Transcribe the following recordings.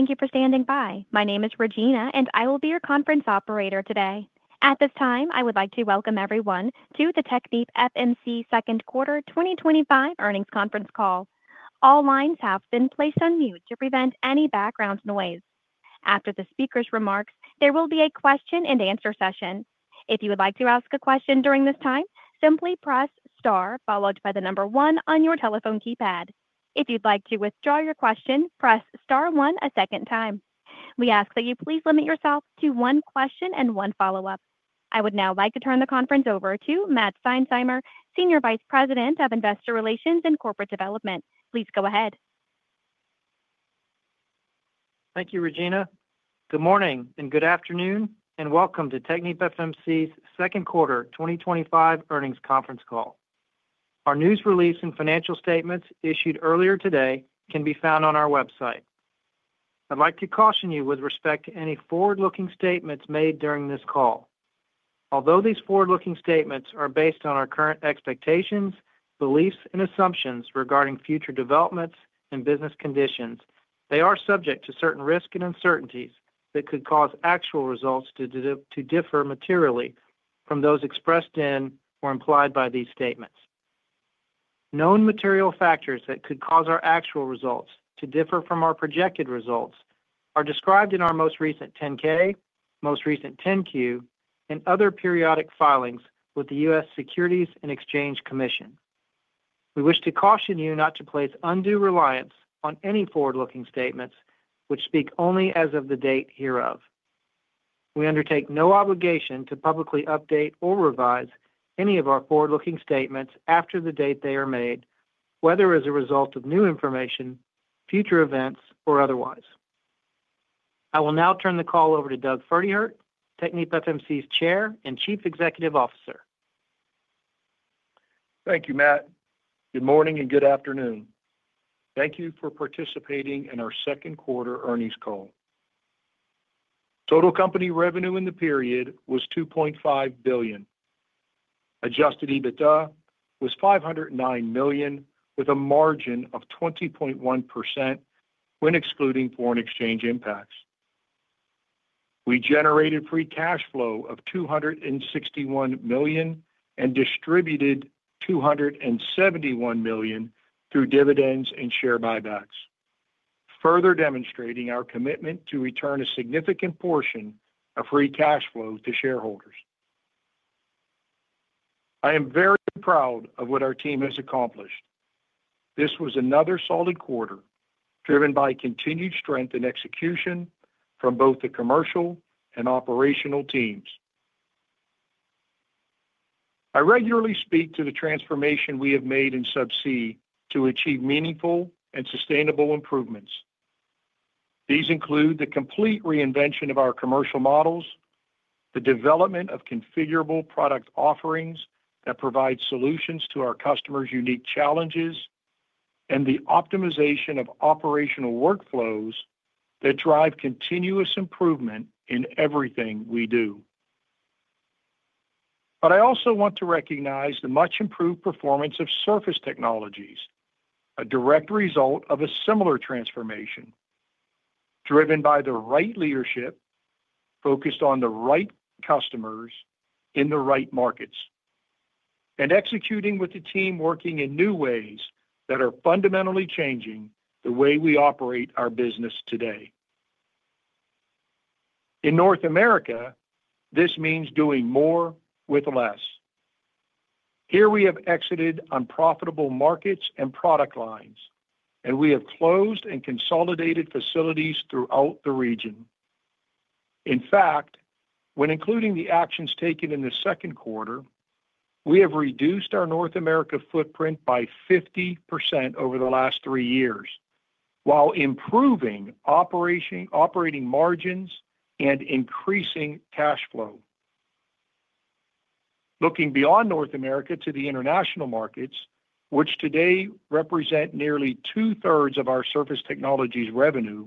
Thank you for standing by. My name is Regina, and I will be your conference operator today. At this time, I would like to welcome everyone to the TechnipFMC Second quarter 2025 Earnings conference call. All lines have been placed on mute to prevent any background noise. After the speaker's remarks, there will be a question-and-answer session. If you would like to ask a question during this time, simply press star followed by the number one on your telephone keypad. If you'd like to withdraw your question, press star one a second time. We ask that you please limit yourself to one question and one follow-up. I would now like to turn the conference over to Matt Seinsheimer, Senior Vice President of Investor Relations and Corporate Development. Please go ahead. Thank you, Regina. Good morning and good afternoon, and welcome to TechnipFMC's Second Quarter 2025 earnings Conference Call. Our news release and financial statements issued earlier today can be found on our website. I'd like to caution you with respect to any forward-looking statements made during this call. Although these forward-looking statements are based on our current expectations, beliefs, and assumptions regarding future developments and business conditions, they are subject to certain risks and uncertainties that could cause actual results to differ materially from those expressed in or implied by these statements. Known material factors that could cause our actual results to differ from our projected results are described in our most recent 10-K, most recent 10-Q, and other periodic filings with the U.S. Securities and Exchange Commission. We wish to caution you not to place undue reliance on any forward-looking statements which speak only as of the date hereof. We undertake no obligation to publicly update or revise any of our forward-looking statements after the date they are made, whether as a result of new information, future events, or otherwise. I will now turn the call over to Doug Pferdehirt, TechnipFMC's Chair and Chief Executive Officer. Thank you, Matt. Good morning and good afternoon. Thank you for participating in our second quarter earnings call. Total company revenue in the period was $2.5 billion. Adjusted EBITDA was $509 million, with a margin of 20.1% when excluding foreign exchange impacts. We generated free cash flow of $261 million and distributed $271 million through dividends and share buybacks, further demonstrating our commitment to return a significant portion of free cash flow to shareholders. I am very proud of what our team has accomplished. This was another solid quarter driven by continued strength and execution from both the commercial and operational teams. I regularly speak to the transformation we have made in Subsea to achieve meaningful and sustainable improvements. These include the complete reinvention of our commercial models, the development of configurable product offerings that provide solutions to our customers' unique challenges, and the optimization of operational workflows that drive continuous improvement in everything we do. I also want to recognize the much-improved performance of Surface Technologies, a direct result of a similar transformation driven by the right leadership, focused on the right customers in the right markets, and executing with a team working in new ways that are fundamentally changing the way we operate our business today. In North America, this means doing more with less. Here we have exited unprofitable markets and product lines, and we have closed and consolidated facilities throughout the region. In fact, when including the actions taken in the second quarter, we have reduced our North America footprint by 50% over the last three years, while improving operating margins and increasing cash flow. Looking beyond North America to the international markets, which today represent nearly two-thirds of our Surface Technologies revenue,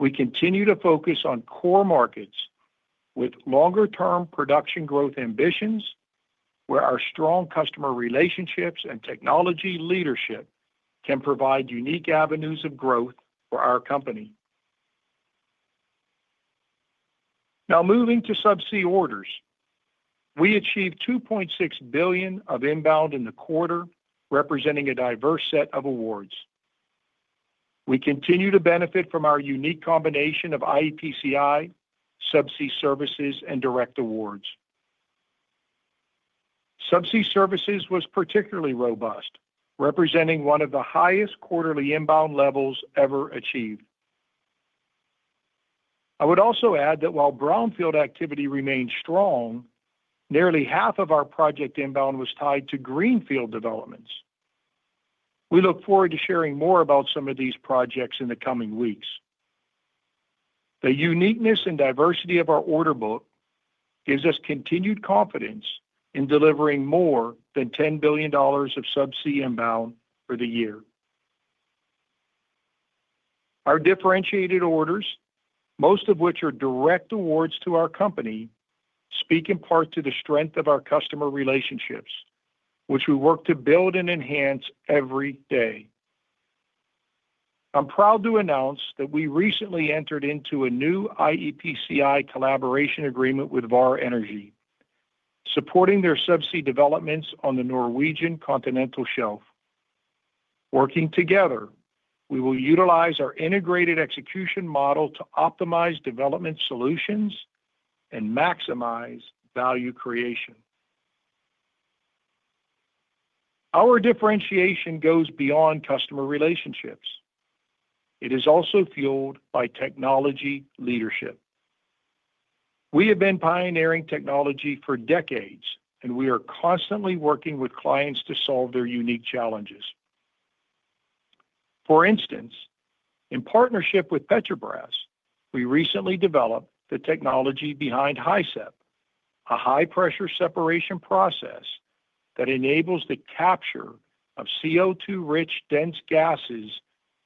we continue to focus on core markets with longer-term production growth ambitions, where our strong customer relationships and technology leadership can provide unique avenues of growth for our company. Now moving to Subsea orders. We achieved $2.6 billion of inbound in the quarter, representing a diverse set of awards. We continue to benefit from our unique combination of iEPCI, Subsea Services, and direct awards. Subsea Services was particularly robust, representing one of the highest quarterly inbound levels ever achieved. I would also add that while brownfield activity remained strong, nearly half of our project inbound was tied to greenfield developments. We look forward to sharing more about some of these projects in the coming weeks. The uniqueness and diversity of our order book gives us continued confidence in delivering more than $10 billion of Subsea inbound for the year. Our differentiated orders, most of which are direct awards to our company, speak in part to the strength of our customer relationships, which we work to build and enhance every day. Vår Energi, supporting their Subsea developments on the Norwegian continental shelf. Working together, we will utilize our integrated execution model to optimize development solutions and maximize value creation. Our differentiation goes beyond customer relationships. It is also fueled by technology leadership. We have been pioneering technology for decades, and we are constantly working with clients to solve their unique challenges. For instance, in partnership with Petrobras, we recently developed the technology behind HISEP, a high-pressure separation process that enables the capture of CO2-rich dense gases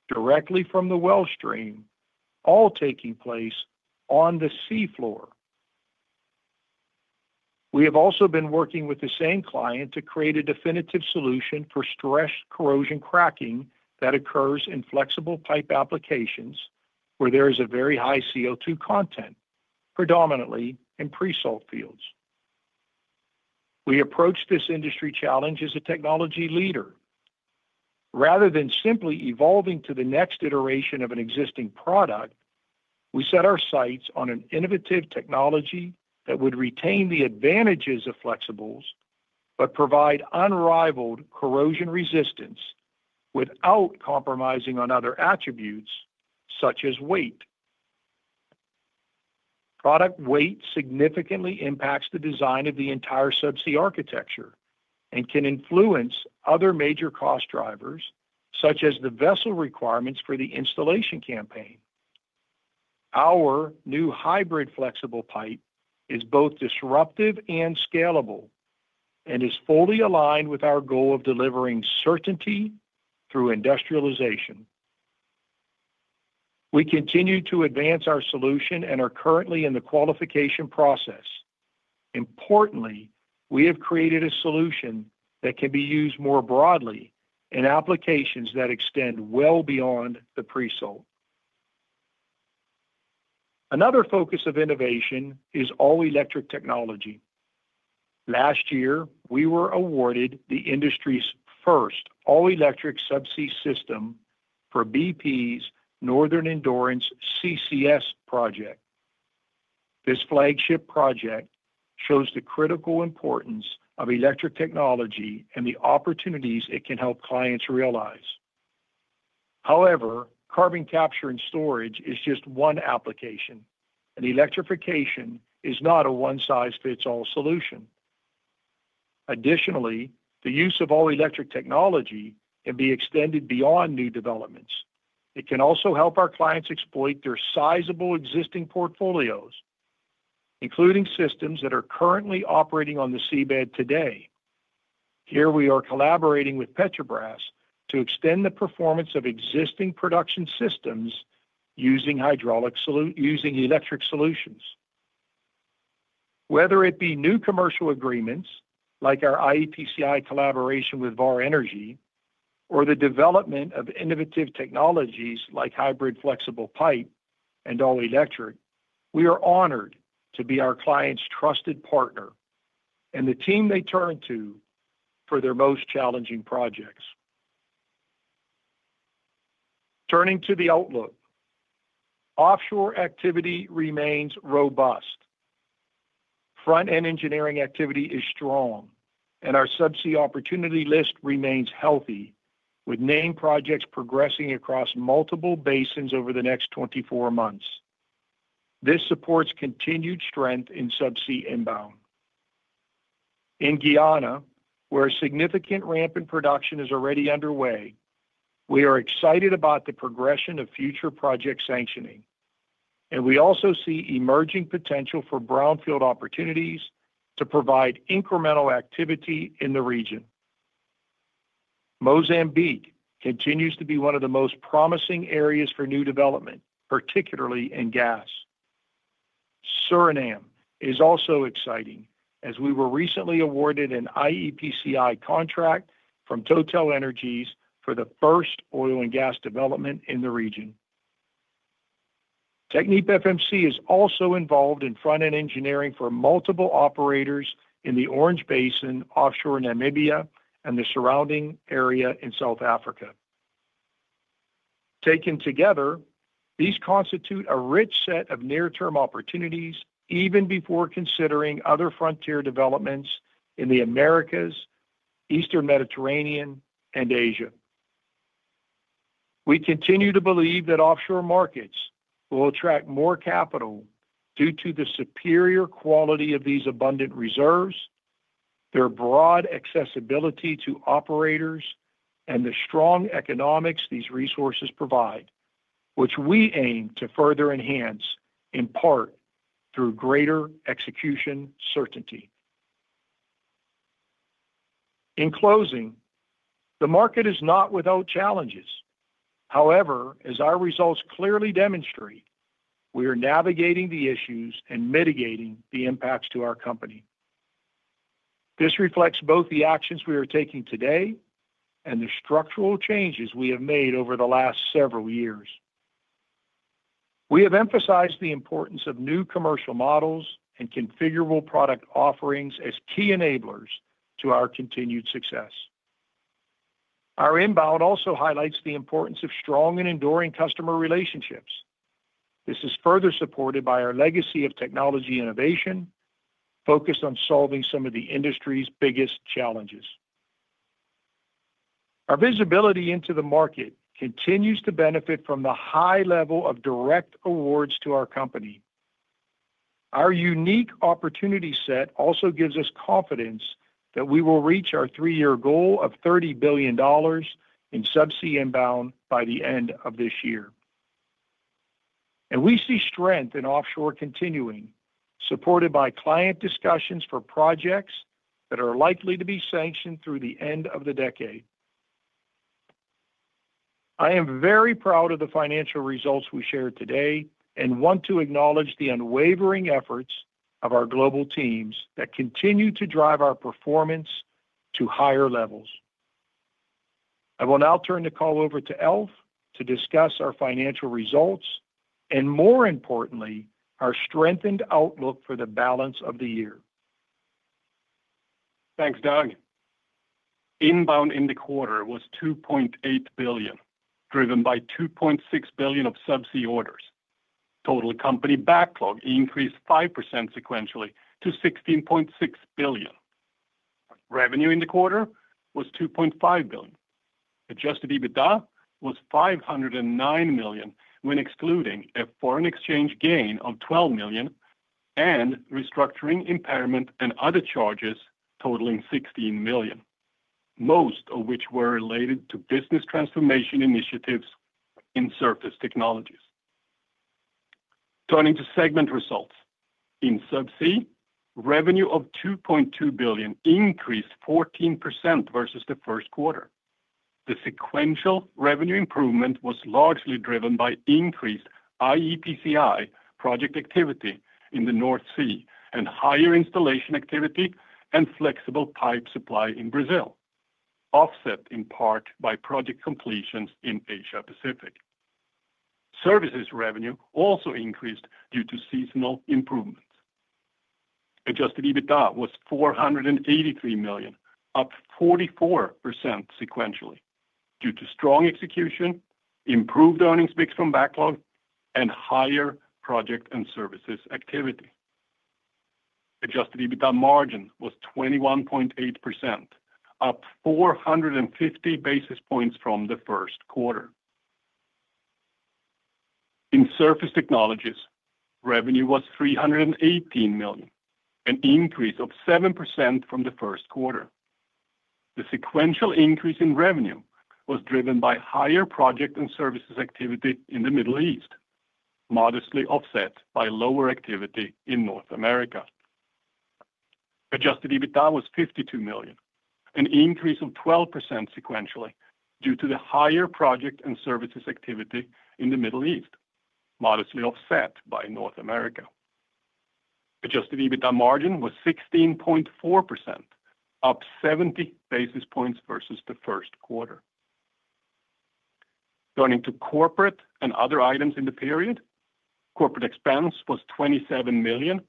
directly from the well stream, all taking place on the sea floor. We have also been working with the same client to create a definitive solution for stress corrosion cracking that occurs in flexible pipe applications where there is a very high CO2 content, predominantly in pre-salt fields. We approach this industry challenge as a technology leader. Rather than simply evolving to the next iteration of an existing product, we set our sights on an innovative technology that would retain the advantages of flexibles but provide unrivaled corrosion resistance without compromising on other attributes such as weight. Product weight significantly impacts the design of the entire Subsea architecture and can influence other major cost drivers such as the vessel requirements for the installation campaign. Our new hybrid flexible pipe is both disruptive and scalable and is fully aligned with our goal of delivering certainty through industrialization. We continue to advance our solution and are currently in the qualification process. Importantly, we have created a solution that can be used more broadly in applications that extend well beyond the pre-salt. Another focus of innovation is all-electric technology. Last year, we were awarded the industry's first all-electric Subsea system for BP's Northern Endurance CCS project. This flagship project shows the critical importance of electric technology and the opportunities it can help clients realize. However, carbon capture and storage is just one application, and electrification is not a one-size-fits-all solution. Additionally, the use of all-electric technology can be extended beyond new developments. It can also help our clients exploit their sizable existing portfolios, including systems that are currently operating on the seabed today. Here we are collaborating with Petrobras to extend the performance of existing production systems using electric solutions. Whether it be new commercial agreements like our iEPCI collaboration with Vår Energi or the development of innovative technologies like hybrid flexible pipe and all-electric, we are honored to be our client's trusted partner and the team they turn to for their most challenging projects. Turning to the outlook, offshore activity remains robust. Front-end engineering activity is strong, and our Subsea opportunity list remains healthy, with name projects progressing across multiple basins over the next 24 months. This supports continued strength in Subsea inbound. In Guyana, where a significant ramp in production is already underway, we are excited about the progression of future project sanctioning, and we also see emerging potential for brownfield opportunities to provide incremental activity in the region. Mozambique continues to be one of the most promising areas for new development, particularly in gas. Suriname is also exciting, as we were recently awarded an iEPCI contract from TotalEnergies for the first oil and gas development in the region. TechnipFMC is also involved in front-end engineering for multiple operators in the Orange Basin, offshore Namibia, and the surrounding area in South Africa. Taken together, these constitute a rich set of near-term opportunities even before considering other frontier developments in the Americas, Eastern Mediterranean, and Asia. We continue to believe that offshore markets will attract more capital due to the superior quality of these abundant reserves, their broad accessibility to operators, and the strong economics these resources provide, which we aim to further enhance in part through greater execution certainty. In closing, the market is not without challenges. However, as our results clearly demonstrate, we are navigating the issues and mitigating the impacts to our company. This reflects both the actions we are taking today and the structural changes we have made over the last several years. We have emphasized the importance of new commercial models and configurable product offerings as key enablers to our continued success. Our inbound also highlights the importance of strong and enduring customer relationships. This is further supported by our legacy of technology innovation focused on solving some of the industry's biggest challenges. Our visibility into the market continues to benefit from the high level of direct awards to our company. Our unique opportunity set also gives us confidence that we will reach our three-year goal of $30 billion in Subsea inbound by the end of this year. We see strength in offshore continuing, supported by client discussions for projects that are likely to be sanctioned through the end of the decade. I am very proud of the financial results we shared today and want to acknowledge the unwavering efforts of our global teams that continue to drive our performance to higher levels. I will now turn the call over to Alf to discuss our financial results and, more importantly, our strengthened outlook for the balance of the year. Thanks, Doug. Inbound in the quarter was $2.8 billion, driven by $2.6 billion of Subsea orders. Total company backlog increased 5% sequentially to $16.6 billion. Revenue in the quarter was $2.5 billion. Adjusted EBITDA was $509 million when excluding a foreign exchange gain of $12 million and restructuring impairment and other charges totaling $16 million, most of which were related to business transformation initiatives in Surface Technologies. Turning to segment results, in Subsea, revenue of $2.2 billion increased 14% versus the first quarter. The sequential revenue improvement was largely driven by increased iEPCI project activity in the North Sea and higher installation activity and flexible pipe supply in Brazil, offset in part by project completions in Asia-Pacific. Services revenue also increased due to seasonal improvements. Adjusted EBITDA was $483 million, up 44% sequentially due to strong execution, improved earnings mix from backlog, and higher project and services activity. Adjusted EBITDA margin was 21.8%. Up 450 basis points from the first quarter. In Surface Technologies, revenue was $318 million, an increase of 7% from the first quarter. The sequential increase in revenue was driven by higher project and services activity in the Middle East, modestly offset by lower activity in North America. Adjusted EBITDA was $52 million, an increase of 12% sequentially due to the higher project and services activity in the Middle East, modestly offset by North America. Adjusted EBITDA margin was 16.4%, up 70 basis points versus the first quarter. Turning to corporate and other items in the period, corporate expense was $27 million,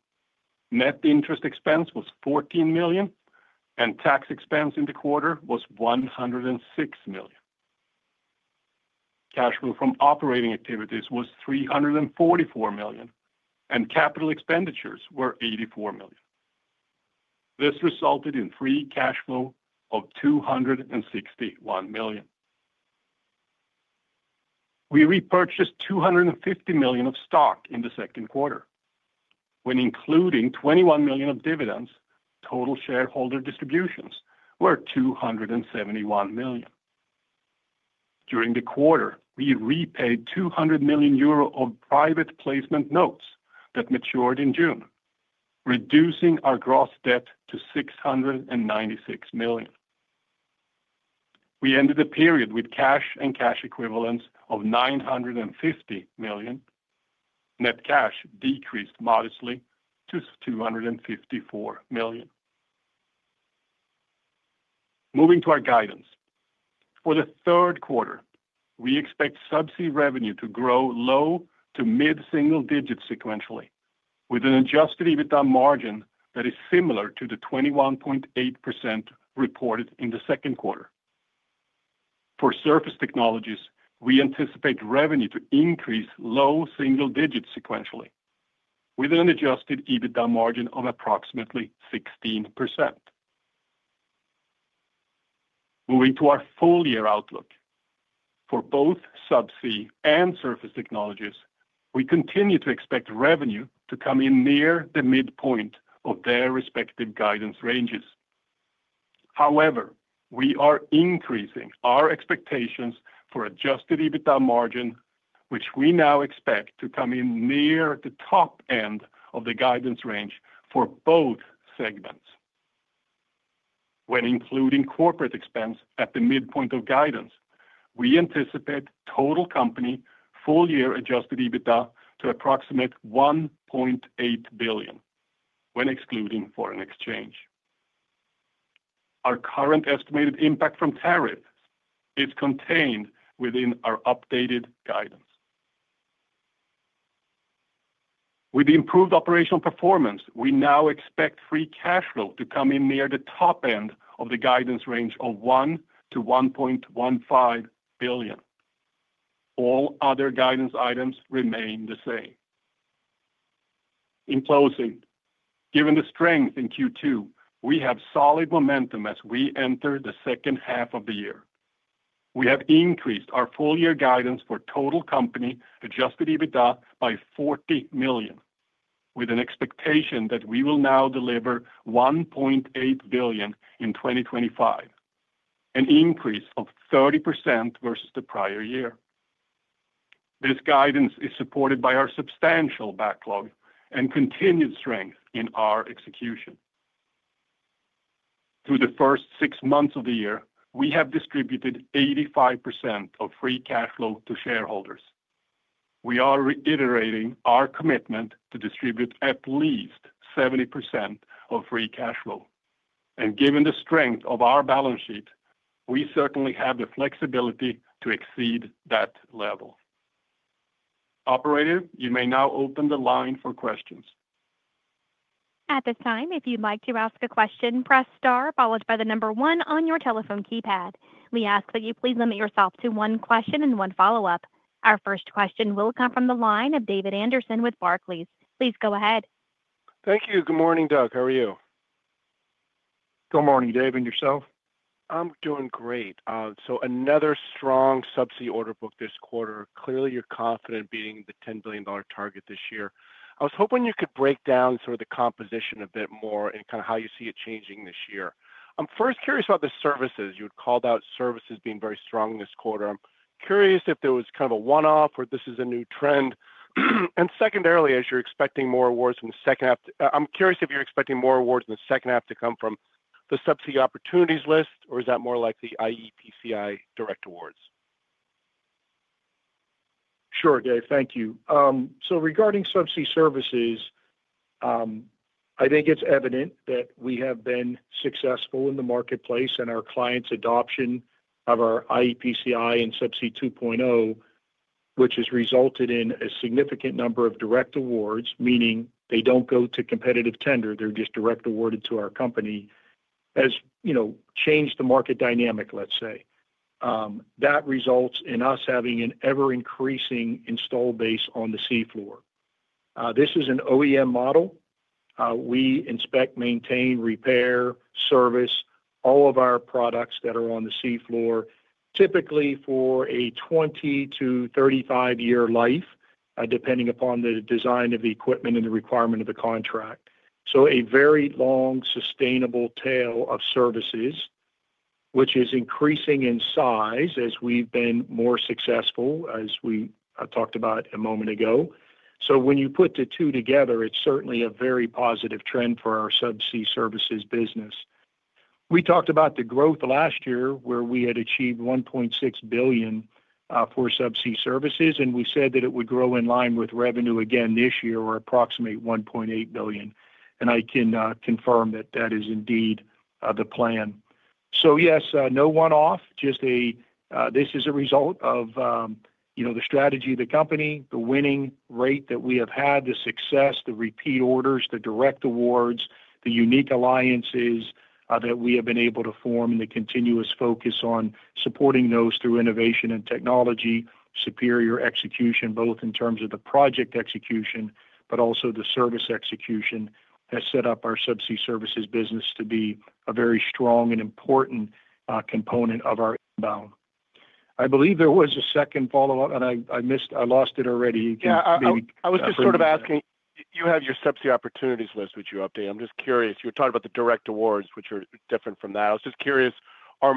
net interest expense was $14 million, and tax expense in the quarter was $106 million. Cash flow from operating activities was $344 million, and capital expenditures were $84 million. This resulted in free cash flow of $261 million. We repurchased $250 million of stock in the second quarter. When including $21 million of dividends, total shareholder distributions were $271 million. During the quarter, we repaid 200 million euro of private placement notes that matured in June, reducing our gross debt to $696 million. We ended the period with cash and cash equivalents of $950 million. Net cash decreased modestly to $254 million. Moving to our guidance, for the third quarter, we expect Subsea revenue to grow low to mid-single digit sequentially, with an adjusted EBITDA margin that is similar to the 21.8% reported in the second quarter. For Surface Technologies, we anticipate revenue to increase low single digit sequentially, with an adjusted EBITDA margin of approximately 16%. Moving to our full-year outlook, for both Subsea and Surface Technologies, we continue to expect revenue to come in near the midpoint of their respective guidance ranges. However, we are increasing our expectations for adjusted EBITDA margin, which we now expect to come in near the top end of the guidance range for both segments. When including corporate expense at the midpoint of guidance, we anticipate total company full-year adjusted EBITDA to approximate $1.8 billion when excluding foreign exchange. Our current estimated impact from tariffs is contained within our updated guidance. With the improved operational performance, we now expect free cash flow to come in near the top end of the guidance range of $1 billion-$1.15 billion. All other guidance items remain the same. In closing, given the strength in Q2, we have solid momentum as we enter the second half of the year. We have increased our full-year guidance for total company adjusted EBITDA by $40 million, with an expectation that we will now deliver $1.8 billion in 2025, an increase of 30% versus the prior year. This guidance is supported by our substantial backlog and continued strength in our execution. Through the first six months of the year, we have distributed 85% of free cash flow to shareholders. We are reiterating our commitment to distribute at least 70% of free cash flow. Given the strength of our balance sheet, we certainly have the flexibility to exceed that level. Operator, you may now open the line for questions. At this time, if you'd like to ask a question, press star followed by the number one on your telephone keypad. We ask that you please limit yourself to one question and one follow-up. Our first question will come from the line of David Anderson with Barclays. Please go ahead. Thank you. Good morning, Doug. How are you? Good morning, David. And yourself? I'm doing great. Another strong Subsea order book this quarter. Clearly, you're confident in beating the $10 billion target this year. I was hoping you could break down sort of the composition a bit more and kind of how you see it changing this year. I'm first curious about the services. You had called out services being very strong this quarter. I'm curious if there was kind of a one-off or this is a new trend. Secondarily, as you're expecting more awards in the second half, I'm curious if you're expecting more awards in the second half to come from the Subsea opportunities list, or is that more like the iEPCI direct awards? Sure, Dave. Thank you. Regarding Subsea services, I think it's evident that we have been successful in the marketplace and our clients' adoption of our iEPCI and Subsea 2.0, which has resulted in a significant number of direct awards, meaning they don't go to competitive tender. They're just direct awarded to our company. That has changed the market dynamic, let's say. That results in us having an ever-increasing install base on the seafloor. This is an OEM model. We inspect, maintain, repair, service all of our products that are on the seafloor, typically for a 20-35 year life, depending upon the design of the equipment and the requirement of the contract. A very long, sustainable tail of services, which is increasing in size as we've been more successful, as we talked about a moment ago. When you put the two together, it's certainly a very positive trend for our Subsea services business. We talked about the growth last year where we had achieved $1.6 billion for Subsea services, and we said that it would grow in line with revenue again this year or approximate $1.8 billion. I can confirm that that is indeed the plan. Yes, no one-off. This is a result of the strategy of the company, the winning rate that we have had, the success, the repeat orders, the direct awards, the unique alliances that we have been able to form, and the continuous focus on supporting those through innovation and technology, superior execution, both in terms of the project execution, but also the service execution has set up our Subsea services business to be a very strong and important component of our inbound. I believe there was a second follow-up, and I lost it already. You can maybe— I was just sort of asking, you have your Subsea opportunities list, which you update. I'm just curious. You were talking about the direct awards, which are different from that. I'm just curious, in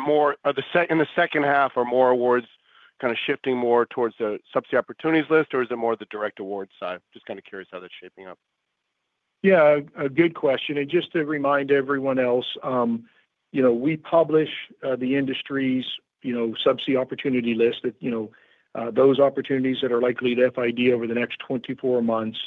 the second half, are more awards kind of shifting more towards the Subsea opportunities list, or is it more the direct awards side? Just kind of curious how that's shaping up. Yeah, a good question. And just to remind everyone else. We publish the industry's Subsea opportunity list. Those opportunities that are likely to FID over the next 24 months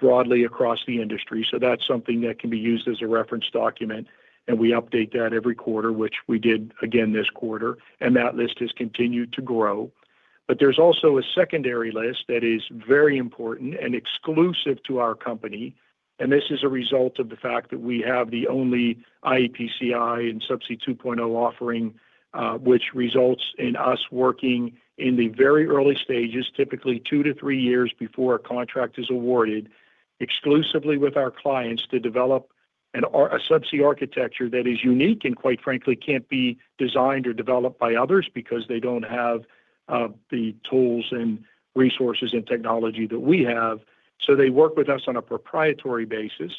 broadly across the industry. That is something that can be used as a reference document. We update that every quarter, which we did again this quarter. That list has continued to grow. There is also a secondary list that is very important and exclusive to our company. This is a result of the fact that we have the only iEPCI and Subsea 2.0 offering, which results in us working in the very early stages, typically two to three years before a contract is awarded, exclusively with our clients to develop a Subsea architecture that is unique and, quite frankly, can't be designed or developed by others because they do not have the tools and resources and technology that we have. They work with us on a proprietary basis.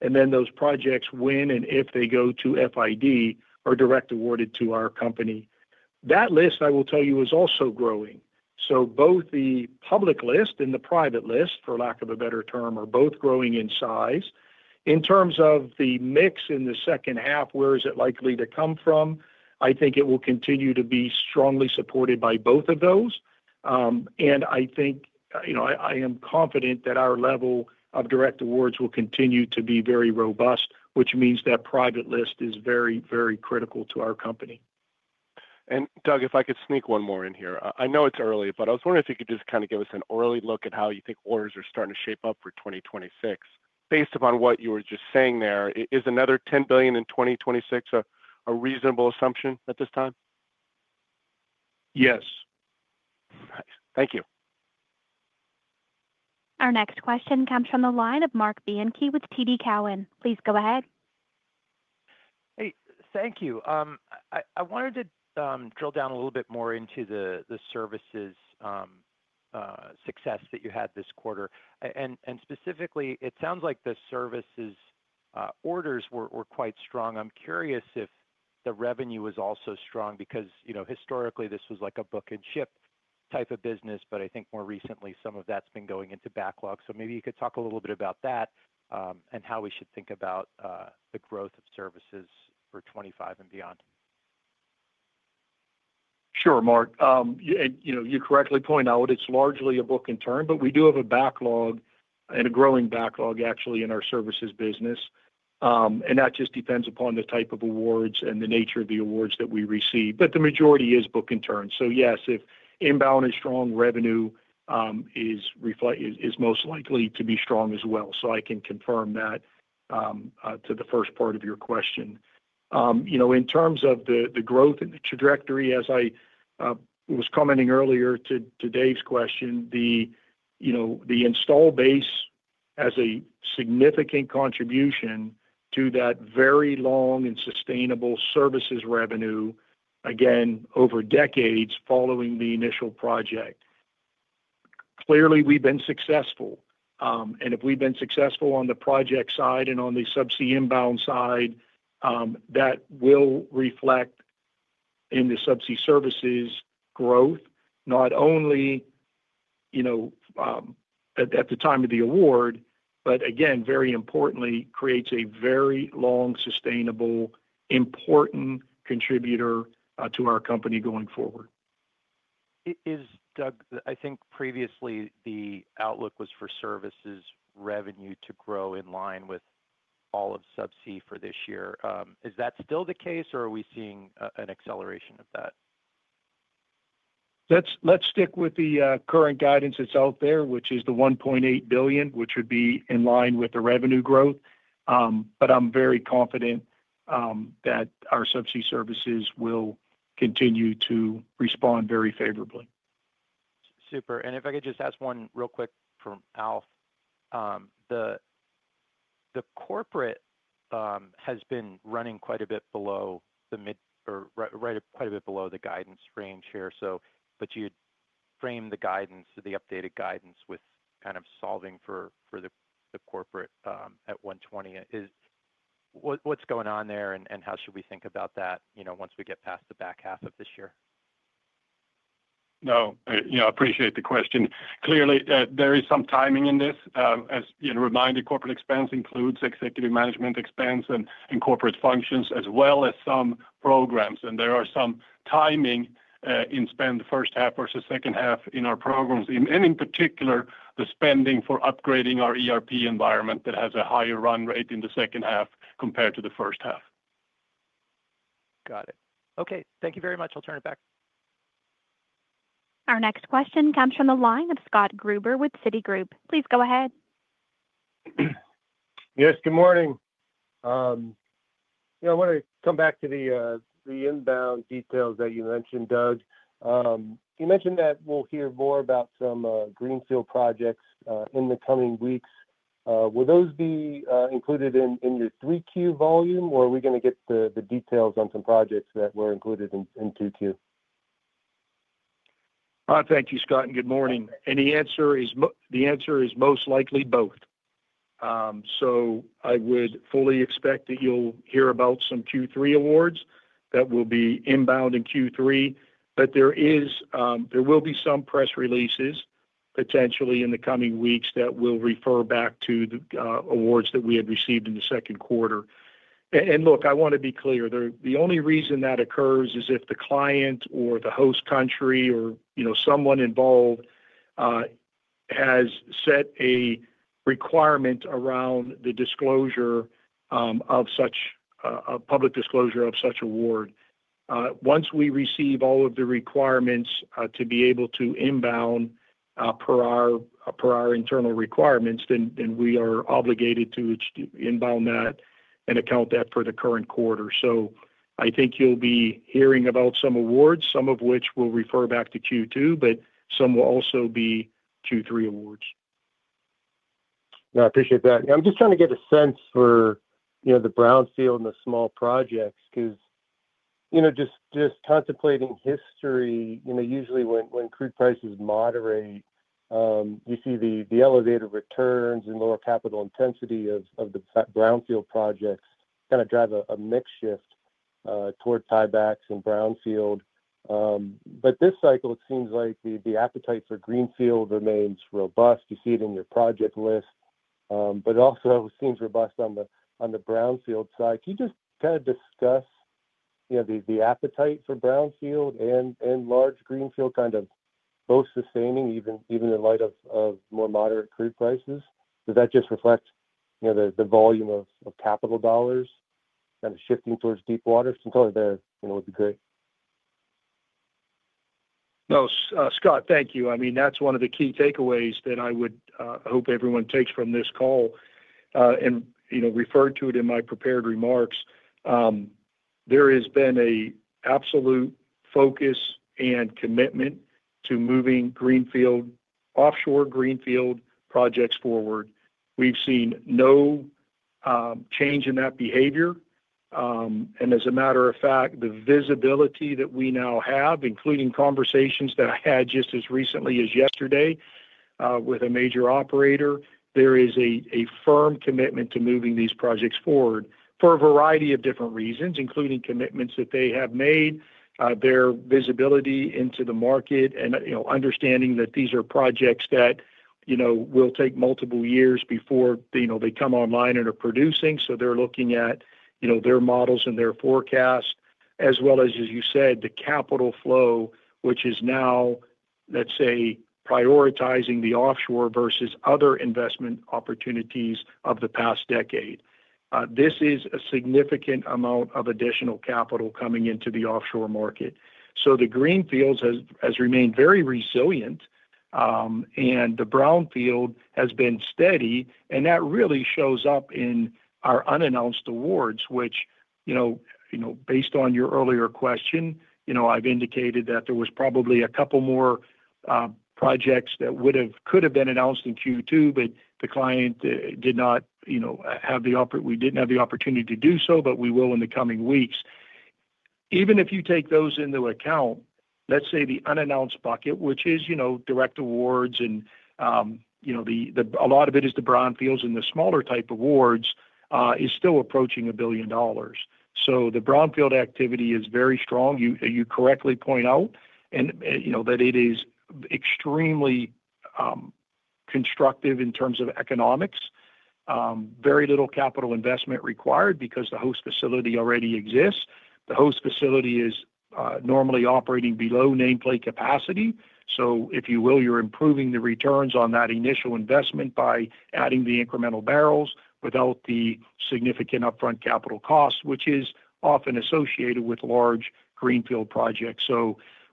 Then those projects, when and if they go to FID, are direct awarded to our company. That list, I will tell you, is also growing. Both the public list and the private list, for lack of a better term, are both growing in size. In terms of the mix in the second half, where is it likely to come from? I think it will continue to be strongly supported by both of those. I am confident that our level of direct awards will continue to be very robust, which means that private list is very, very critical to our company. And Doug, if I could sneak one more in here. I know it's early, but I was wondering if you could just kind of give us an early look at how you think orders are starting to shape up for 2026. Based upon what you were just saying there, is another $10 billion in 2026 a reasonable assumption at this time? Yes. Thank you. Our next question comes from the line of Mark Bianchi with TD Cowen. Please go ahead. Hey, thank you. I wanted to drill down a little bit more into the services. Success that you had this quarter. And specifically, it sounds like the services orders were quite strong. I'm curious if the revenue was also strong because historically, this was like a book and ship type of business, but I think more recently, some of that's been going into backlog. Maybe you could talk a little bit about that. How we should think about the growth of services for 2025 and beyond. Sure, Mark. You correctly point out, it is largely a book and turn, but we do have a backlog and a growing backlog, actually, in our services business. That just depends upon the type of awards and the nature of the awards that we receive. The majority is book and turn. Yes, if inbound is strong, revenue is most likely to be strong as well. I can confirm that to the first part of your question. In terms of the growth and the trajectory, as I was commenting earlier to Dave's question, the install base has a significant contribution to that very long and sustainable services revenue, again, over decades following the initial project. Clearly, we have been successful. If we have been successful on the project side and on the Subsea inbound side, that will reflect in the Subsea services growth, not only at the time of the award, but again, very importantly, creates a very long, sustainable, important contributor to our company going forward. Doug, I think previously the outlook was for services revenue to grow in line with all of Subsea for this year. Is that still the case, or are we seeing an acceleration of that? Let's stick with the current guidance that is out there, which is the $1.8 billion, which would be in line with the revenue growth. I am very confident that our Subsea services will continue to respond very favorably. Super. If I could just ask one real quick from Alf. The corporate has been running quite a bit below the mid or quite a bit below the guidance range here, but you had framed the guidance, the updated guidance, with kind of solving for the corporate at $120. What is going on there, and how should we think about that once we get past the back half of this year? I appreciate the question. Clearly, there is some timing in this. As you reminded, corporate expense includes executive management expense and corporate functions, as well as some programs. There is some timing in spend, the first half versus second half in our programs. In particular, the spending for upgrading our ERP environment has a higher run rate in the second half compared to the first half. Got it. Thank you very much. I will turn it back. Our next question comes from the line of Scott Gruber with Citigroup. Please go ahead. Yes, good morning. I want to come back to the inbound details that you mentioned, Doug. You mentioned that we will hear more about some greenfield projects in the coming weeks. Will those be included in your 3Q volume, or are we going to get the details on some projects that were included in 2Q? Thank you, Scott, and good morning. The answer is most likely both. I would fully expect that you'll hear about some Q3 awards that will be inbound in Q3. There will be some press releases, potentially, in the coming weeks that will refer back to the awards that we had received in the second quarter. I want to be clear. The only reason that occurs is if the client or the host country or someone involved has set a requirement around the disclosure of such, a public disclosure of such award. Once we receive all of the requirements to be able to inbound per our internal requirements, then we are obligated to inbound that and account that for the current quarter. I think you'll be hearing about some awards, some of which will refer back to Q2, but some will also be Q3 awards. I appreciate that. I'm just trying to get a sense for the brownfield and the small projects because, just contemplating history, usually when crude prices moderate, you see the elevated returns and lower capital intensity of the brownfield projects kind of drive a mixed shift toward tiebacks and brownfield. This cycle, it seems like the appetite for greenfield remains robust. You see it in your project list. It also seems robust on the brownfield side. Can you just kind of discuss the appetite for brownfield and large greenfield kind of both sustaining, even in light of more moderate crude prices? Does that just reflect the volume of capital dollars kind of shifting towards deep water? It would be great. No, Scott, thank you. I mean, that's one of the key takeaways that I would hope everyone takes from this call. I referred to it in my prepared remarks. There has been an absolute focus and commitment to moving offshore greenfield projects forward. We've seen no change in that behavior. As a matter of fact, the visibility that we now have, including conversations that I had just as recently as yesterday with a major operator, there is a firm commitment to moving these projects forward for a variety of different reasons, including commitments that they have made, their visibility into the market, and understanding that these are projects that will take multiple years before they come online and are producing. They are looking at their models and their forecast, as well as, as you said, the capital flow, which is now, let's say, prioritizing the offshore versus other investment opportunities of the past decade. This is a significant amount of additional capital coming into the offshore market. The greenfield has remained very resilient. The brownfield has been steady. That really shows up in our unannounced awards, which, based on your earlier question, I've indicated that there was probably a couple more projects that could have been announced in Q2, but the client did not have the opportunity, we didn't have the opportunity to do so, but we will in the coming weeks. Even if you take those into account, let's say the unannounced bucket, which is direct awards, and a lot of it is the brownfields and the smaller type awards, is still approaching $1 billion. The brownfield activity is very strong, you correctly point out, and it is extremely constructive in terms of economics. Very little capital investment required because the host facility already exists. The host facility is normally operating below nameplate capacity. If you will, you're improving the returns on that initial investment by adding the incremental barrels without the significant upfront capital cost, which is often associated with large greenfield projects.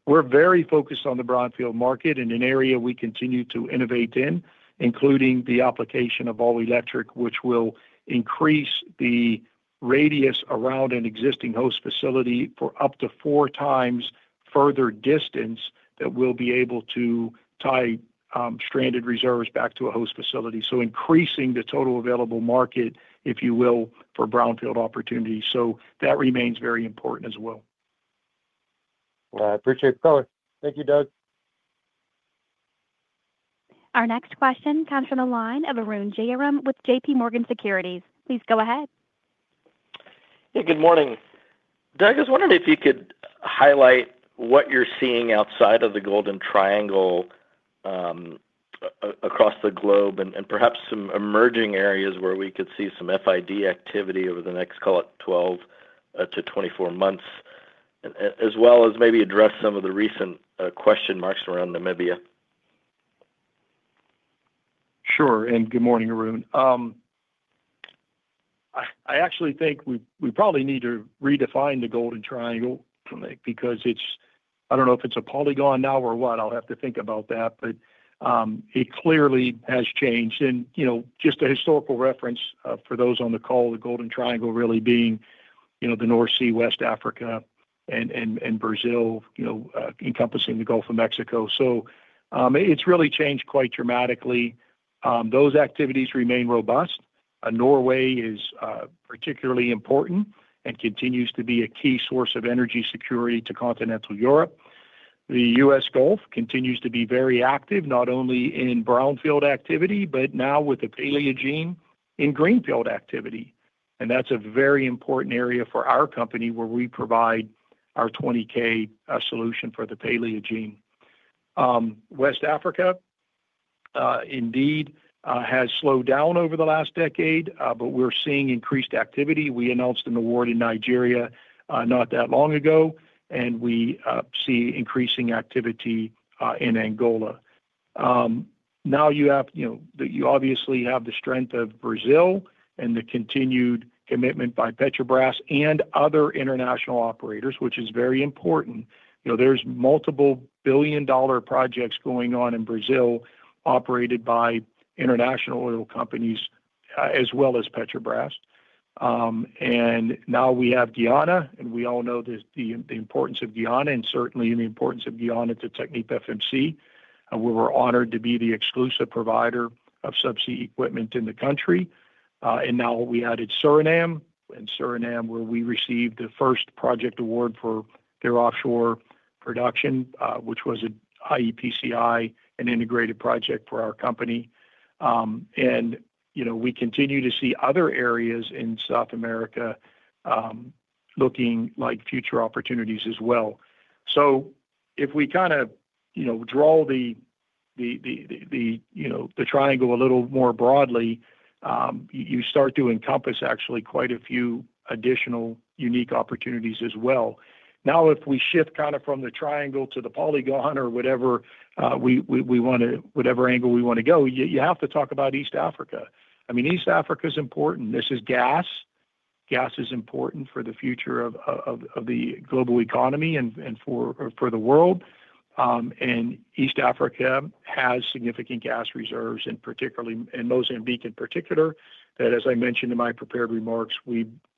We are very focused on the brownfield market and an area we continue to innovate in, including the application of all-electric, which will increase the radius around an existing host facility for up to 4x further distance that will be able to tie stranded reserves back to a host facility. Increasing the total available market, if you will, for brownfield opportunities. That remains very important as well. I appreciate the color. Thank you, Doug. Our next question comes from the line of Arun Jayaram with JP Morgan Securities. Please go ahead. Hey, good morning. Doug, I was wondering if you could highlight what you're seeing outside of the Golden Triangle across the globe and perhaps some emerging areas where we could see some FID activity over the next, call it, 12-24 months, as well as maybe address some of the recent question marks around Namibia. Sure. Good morning, Arun. I actually think we probably need to redefine the Golden Triangle because it's—I don't know if it's a polygon now or what. I'll have to think about that. It clearly has changed. Just a historical reference for those on the call, the Golden Triangle really being the North Sea, West Africa, and Brazil, encompassing the Gulf of Mexico. It has really changed quite dramatically. Those activities remain robust. Norway is particularly important and continues to be a key source of energy security to continental Europe. The U.S. Gulf continues to be very active, not only in brownfield activity, but now with the Paleogene in greenfield activity. That is a very important area for our company where we provide our 20K solution for the Paleogene. West Africa indeed has slowed down over the last decade, but we're seeing increased activity. We announced an award in Nigeria not that long ago, and we see increasing activity in Angola. Now you obviously have the strength of Brazil and the continued commitment by Petrobras and other international operators, which is very important. There are multiple billion-dollar projects going on in Brazil operated by international oil companies as well as Petrobras. Now we have Guyana, and we all know the importance of Guyana and certainly the importance of Guyana to TechnipFMC. We were honored to be the exclusive provider of subsea equipment in the country. Now we added Suriname, and Suriname where we received the first project award for their offshore production, which was an iEPCI, an integrated project for our company. We continue to see other areas in South America looking like future opportunities as well. If we kind of draw the triangle a little more broadly, you start to encompass actually quite a few additional unique opportunities as well. If we shift kind of from the triangle to the polygon or whatever we want to—whatever angle we want to go, you have to talk about East Africa. I mean, East Africa is important. This is gas. Gas is important for the future of the global economy and for the world. East Africa has significant gas reserves in Mozambique in particular that, as I mentioned in my prepared remarks,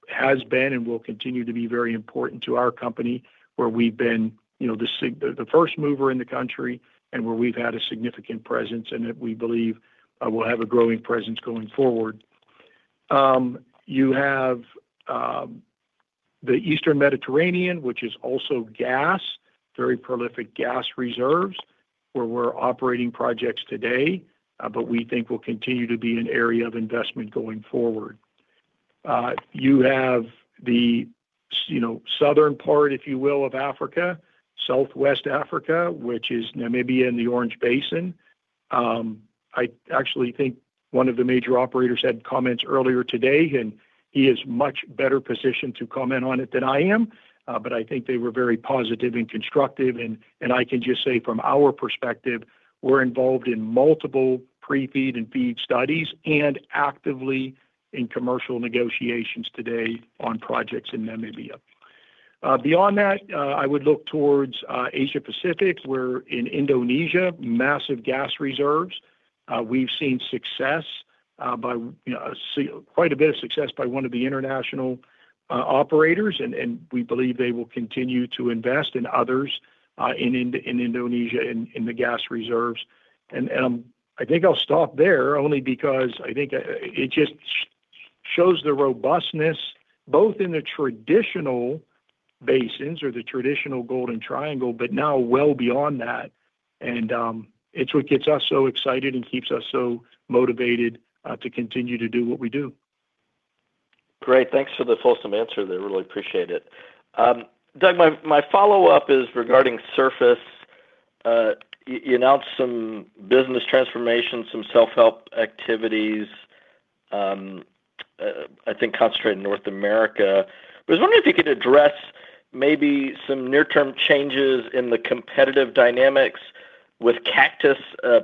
has been and will continue to be very important to our company where we've been the first mover in the country and where we've had a significant presence and that we believe will have a growing presence going forward. You have the Eastern Mediterranean, which is also gas, very prolific gas reserves where we're operating projects today, but we think will continue to be an area of investment going forward. You have the southern part, if you will, of Africa, Southwest Africa, which is Namibia and the Orange Basin. I actually think one of the major operators had comments earlier today, and he is much better positioned to comment on it than I am. I think they were very positive and constructive. I can just say from our perspective, we're involved in multiple pre-feed and feed studies and actively in commercial negotiations today on projects in Namibia. Beyond that, I would look towards Asia-Pacific. We're in Indonesia, massive gas reserves. We've seen success, quite a bit of success by one of the international operators, and we believe they will continue to invest in others in Indonesia in the gas reserves. I think I'll stop there only because I think it just shows the robustness both in the traditional basins or the traditional Golden Triangle, but now well beyond that. It's what gets us so excited and keeps us so motivated to continue to do what we do. Great. Thanks for the fulsome answer. I really appreciate it. Doug, my follow-up is regarding surface. You announced some business transformations, some self-help activities. I think concentrated in North America. I was wondering if you could address maybe some near-term changes in the competitive dynamics with Cactus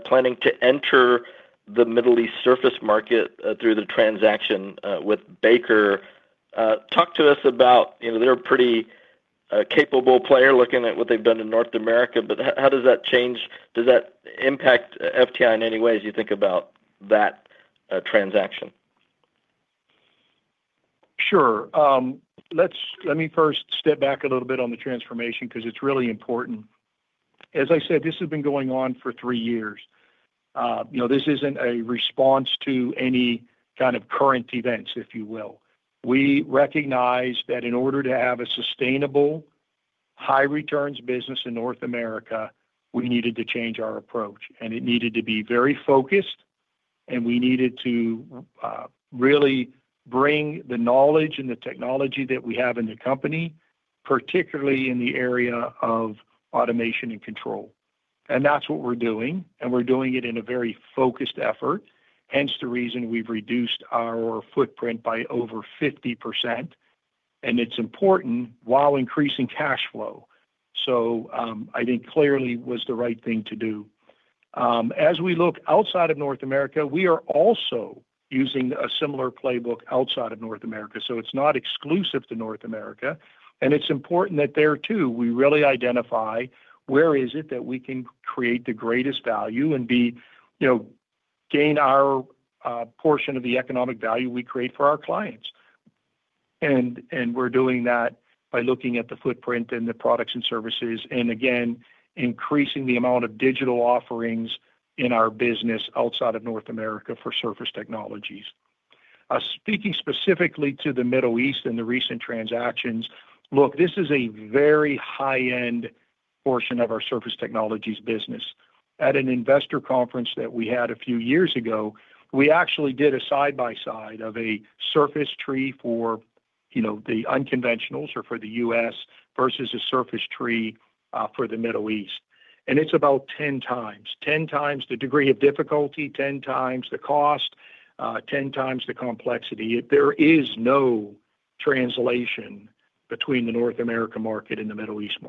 planning to enter the Middle East surface market through the transaction with Baker. Talk to us about they're a pretty capable player looking at what they've done in North America, but how does that change? Does that impact FTI in any way as you think about that transaction? Sure. Let me first step back a little bit on the transformation because it's really important. As I said, this has been going on for three years. This isn't a response to any kind of current events, if you will. We recognize that in order to have a sustainable, high-returns business in North America, we needed to change our approach. It needed to be very focused, and we needed to really bring the knowledge and the technology that we have in the company, particularly in the area of automation and control. That's what we're doing. We're doing it in a very focused effort. Hence the reason we've reduced our footprint by over 50%. It's important while increasing cash flow. I think clearly it was the right thing to do. As we look outside of North America, we are also using a similar playbook outside of North America. It's not exclusive to North America. It's important that there too, we really identify where is it that we can create the greatest value and gain our portion of the economic value we create for our clients. We're doing that by looking at the footprint and the products and services and, again, increasing the amount of digital offerings in our business outside of North America for Surface Technologies. Speaking specifically to the Middle East and the recent transactions, look, this is a very high-end portion of our Surface Technologies business. At an investor conference that we had a few years ago, we actually did a side-by-side of a surface tree for the unconventionals or for the US versus a surface tree for the Middle East. It's about 10x, 10x the degree of difficulty, 10x the cost, 10x the complexity. There is no translation between the North America market and the Middle East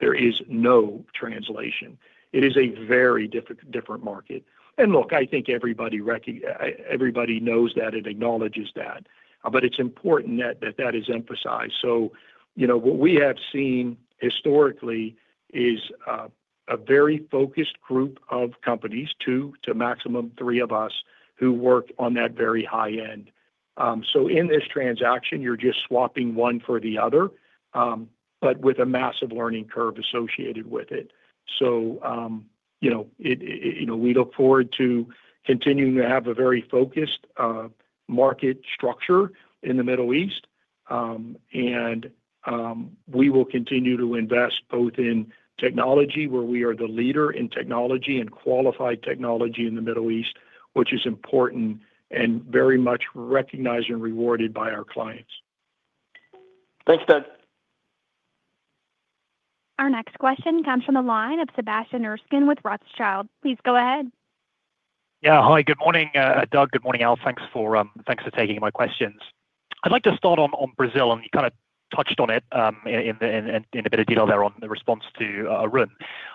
market. There is no translation. It is a very different market. I think everybody knows that and acknowledges that. It's important that that is emphasized. What we have seen historically is a very focused group of companies, two to a maximum of three of us, who work on that very high end. In this transaction, you're just swapping one for the other, but with a massive learning curve associated with it. We look forward to continuing to have a very focused market structure in the Middle East. We will continue to invest both in technology where we are the leader in technology and qualified technology in the Middle East, which is important and very much recognized and rewarded by our clients. Thanks, Doug. Our next question comes from the line of Sebastian Erskine with Rothschild. Please go ahead. Yeah. Hi. Good morning, Doug. Good morning, Alf. Thanks for taking my questions. I'd like to start on Brazil, and you kind of touched on it in a bit of detail there on the response to Arun.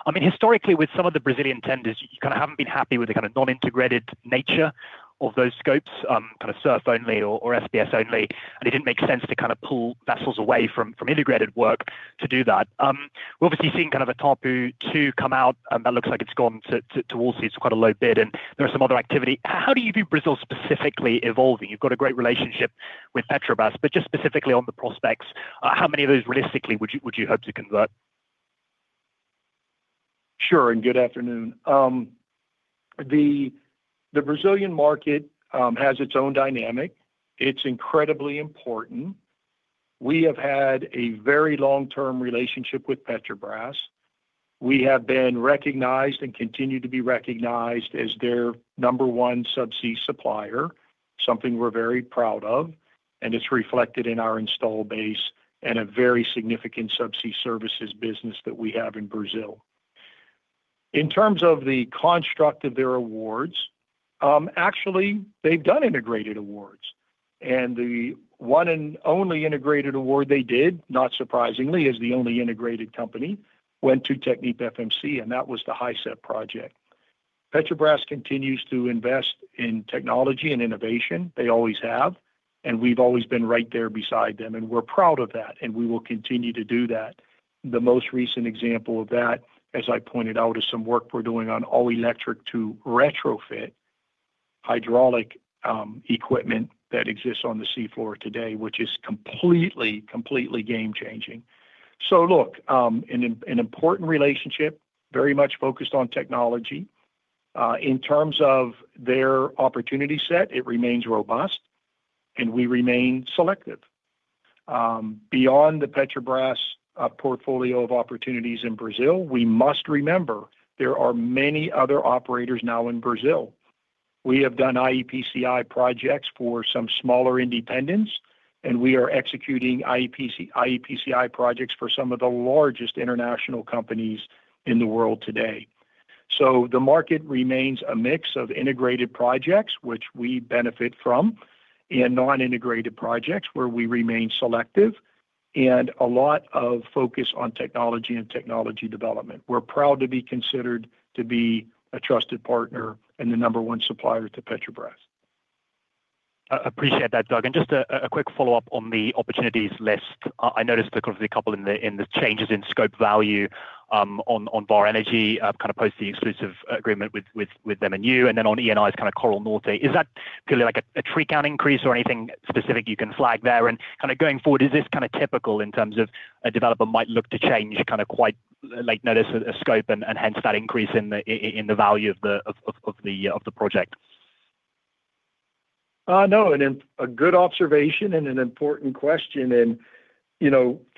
I mean, historically, with some of the Brazilian tenders, you kind of have not been happy with the kind of non-integrated nature of those scopes, kind of SURF-only or SPS-only. It did not make sense to kind of pull vessels away from integrated work to do that. We have obviously seen kind of Atapu-2 come out, and that looks like it has gone to these. It is quite a low bid, and there is some other activity. How do you view Brazil specifically evolving? You have got a great relationship with Petrobras, but just specifically on the prospects, how many of those realistically would you hope to convert? Sure. And good afternoon. The Brazilian market has its own dynamic. It is incredibly important. We have had a very long-term relationship with Petrobras. We have been recognized and continue to be recognized as their number one subsea supplier, something we are very proud of. It is reflected in our install base and a very significant subsea services business that we have in Brazil. In terms of the construct of their awards, actually, they have done integrated awards. The one and only integrated award they did, not surprisingly, as the only integrated company, went to TechnipFMC, and that was the HISEP project. Petrobras continues to invest in technology and innovation. They always have, and we have always been right there beside them. We are proud of that, and we will continue to do that. The most recent example of that, as I pointed out, is some work we are doing on all-electric to retrofit hydraulic equipment that exists on the seafloor today, which is completely, completely game-changing. Look, an important relationship, very much focused on technology. In terms of their opportunity set, it remains robust, and we remain selective. Beyond the Petrobras portfolio of opportunities in Brazil, we must remember there are many other operators now in Brazil. We have done iEPCI projects for some smaller independents, and we are executing iEPCI projects for some of the largest international companies in the world today. The market remains a mix of integrated projects, which we benefit from, and non-integrated projects where we remain selective and a lot of focus on technology and technology development. We are proud to be considered to be a trusted partner and the number one supplier to Petrobras. I appreciate that, Doug. And just a quick follow-up on the opportunities list. I noticed there could be a couple in the changes in scope value on Vår Energi kind of post the exclusive agreement with them and you. Then on ENI's kind of Coral Norte, is that clearly like a tree count increase or anything specific you can flag there? Going forward, is this kind of typical in terms of a developer might look to change kind of quite late notice a scope and hence that increase in the value of the project? No. A good observation and an important question. And.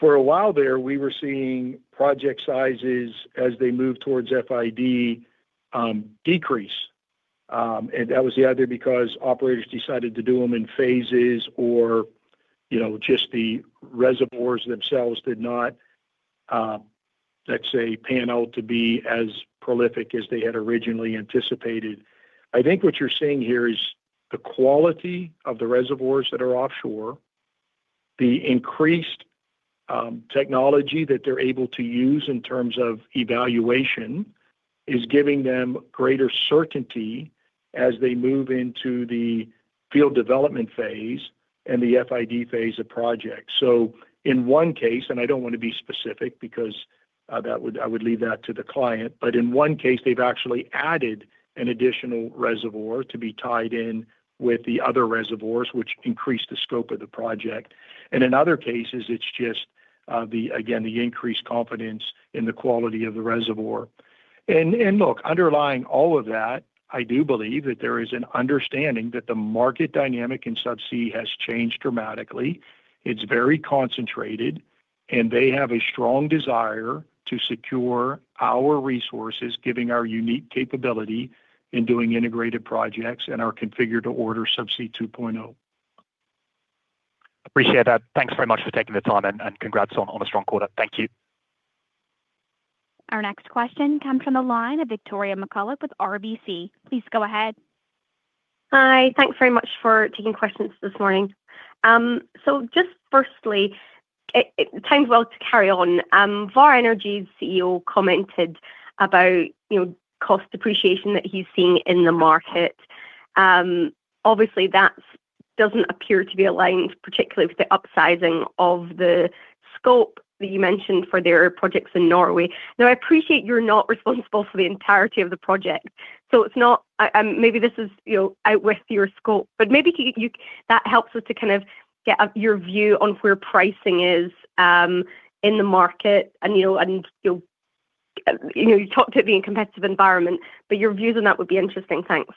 For a while there, we were seeing project sizes as they moved towards FID decrease, and that was either because operators decided to do them in phases or just the reservoirs themselves did not, let's say, pan out to be as prolific as they had originally anticipated. I think what you're seeing here is the quality of the reservoirs that are offshore. The increased technology that they're able to use in terms of evaluation is giving them greater certainty as they move into the field development phase and the FID phase of projects. In one case, and I do not want to be specific because I would leave that to the client, but in one case, they have actually added an additional reservoir to be tied in with the other reservoirs, which increased the scope of the project. In other cases, it is just, again, the increased confidence in the quality of the reservoir. Look, underlying all of that, I do believe that there is an understanding that the market dynamic in subsea has changed dramatically. It is very concentrated, and they have a strong desire to secure our resources, given our unique capability in doing integrated projects and our configured-to-order Subsea 2.0. Appreciate that. Thanks very much for taking the time and congrats on a strong quarter. Thank you. Our next question comes from the line of Victoria McCullough with RBC. Please go ahead. Hi. Thanks very much for taking questions this morning. Just firstly, it times well to carry on. Vår Energi's CEO commented about cost depreciation that he is seeing in the market. Obviously, that does not appear to be aligned, particularly with the upsizing of the scope that you mentioned for their projects in Norway. Now, I appreciate you are not responsible for the entirety of the project, so maybe this is outwith your scope, but maybe that helps us to kind of get your view on where pricing is in the market. You talked about being a competitive environment, but your views on that would be interesting. Thanks.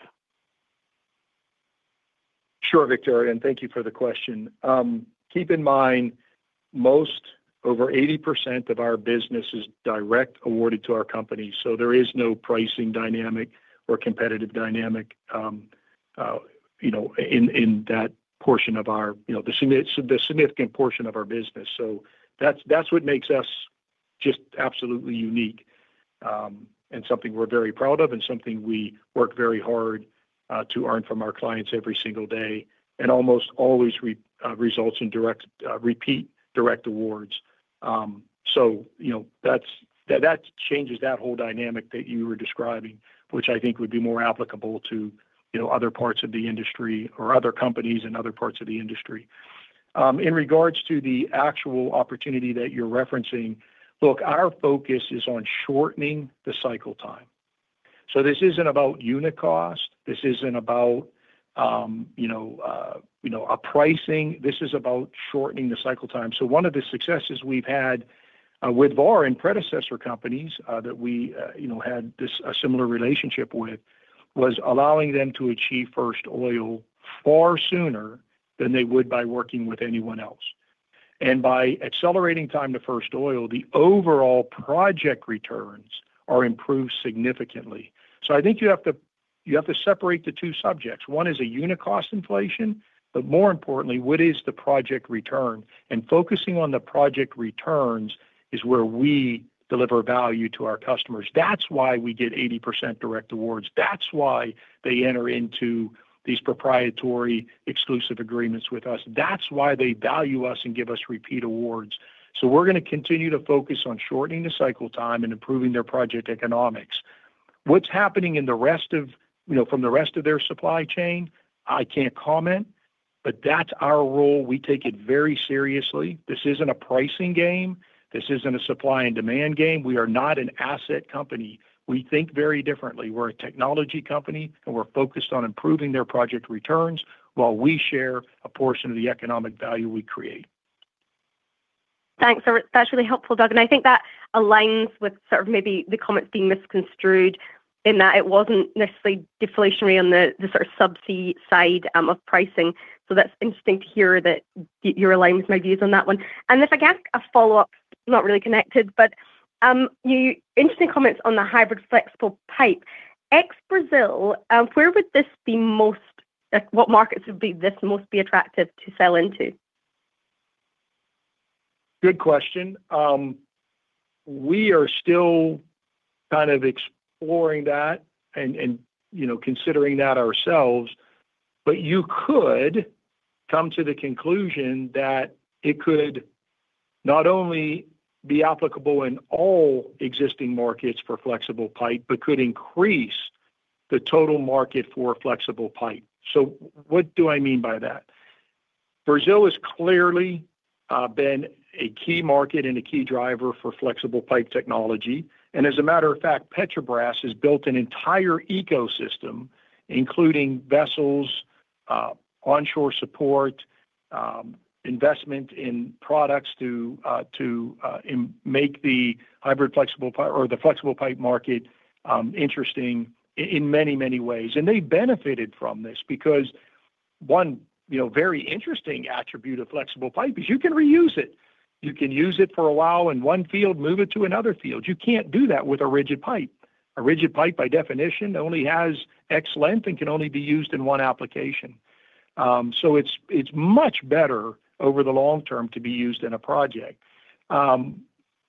Sure, Victoria, and thank you for the question. Keep in mind, most, over 80% of our business is direct awarded to our company, so there is no pricing dynamic or competitive dynamic in that portion of our significant portion of our business. That is what makes us just absolutely unique and something we are very proud of and something we work very hard to earn from our clients every single day and almost always results in repeat direct awards. That changes that whole dynamic that you were describing, which I think would be more applicable to other parts of the industry or other companies in other parts of the industry. In regards to the actual opportunity that you are referencing, look, our focus is on shortening the cycle time. This is not about unit cost. This is not about pricing. This is about shortening the cycle time. One of the successes we have had. With Vår and predecessor companies that we had a similar relationship with was allowing them to achieve first oil far sooner than they would by working with anyone else. By accelerating time to first oil, the overall project returns are improved significantly. I think you have to separate the two subjects. One is a unit cost inflation, but more importantly, what is the project return? Focusing on the project returns is where we deliver value to our customers. That's why we get 80% direct awards. That's why they enter into these proprietary exclusive agreements with us. That's why they value us and give us repeat awards. We are going to continue to focus on shortening the cycle time and improving their project economics. What's happening in the rest of from the rest of their supply chain, I can't comment, but that's our role. We take it very seriously. This isn't a pricing game. This isn't a supply and demand game. We are not an asset company. We think very differently. We're a technology company, and we're focused on improving their project returns while we share a portion of the economic value we create. Thanks. That's really helpful, Doug. I think that aligns with sort of maybe the comments being misconstrued in that it wasn't necessarily deflationary on the sort of Subsea side of pricing. That's interesting to hear that you're aligned with my views on that one. If I can ask a follow-up, not really connected, but interesting comments on the hybrid flexible pipe. Ex-Brazil, where would this be most—what markets would this most be attractive to sell into? Good question. We are still kind of exploring that and considering that ourselves, but you could come to the conclusion that it could not only be applicable in all existing markets for flexible pipe, but could increase the total market for flexible pipe. What do I mean by that? Brazil has clearly been a key market and a key driver for flexible pipe technology. As a matter of fact, Petrobras has built an entire ecosystem, including vessels, onshore support, investment in products to make the hybrid flexible or the flexible pipe market interesting in many, many ways. They have benefited from this because one very interesting attribute of flexible pipe is you can reuse it. You can use it for a while in one field, move it to another field. You can't do that with a rigid pipe. A rigid pipe, by definition, only has x length and can only be used in one application. It's much better over the long term to be used in a project.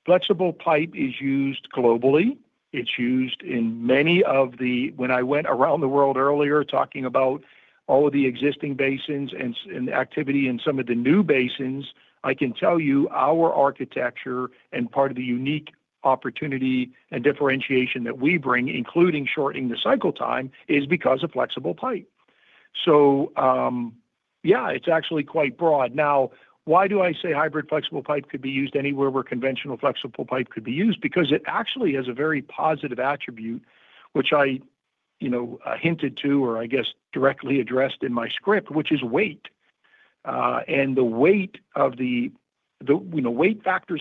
Flexible pipe is used globally. It's used in many of the, when I went around the world earlier talking about all of the existing basins and activity in some of the new basins, I can tell you our architecture and part of the unique opportunity and differentiation that we bring, including shortening the cycle time, is because of flexible pipe. Yeah, it's actually quite broad. Now, why do I say hybrid flexible pipe could be used anywhere where conventional flexible pipe could be used? Because it actually has a very positive attribute, which I hinted to or I guess directly addressed in my script, which is weight. And the weight factors